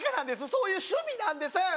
そういう趣味なんですっ